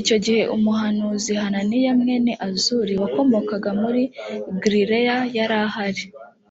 icyo gihe umuhanuzi hananiya mwene azuri wakomokaga mu glileya yari ahari